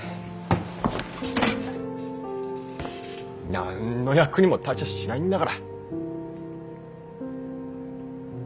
なんの役にも立ちゃしないんだから。